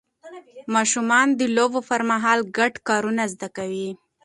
ماشومان د لوبو پر مهال ګډ کار زده کوي